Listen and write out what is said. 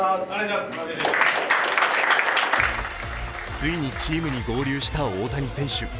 ついにチームに合流した大谷選手。